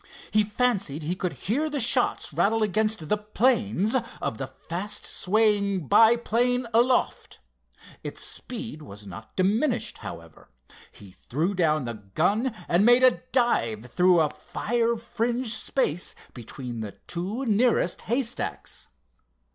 He fancied he could hear the shots rattle against the planes of the fast swaying biplane aloft. Its speed was not diminished, however. He threw down the gun and made a dive through a fire fringed space between the two nearest haystacks.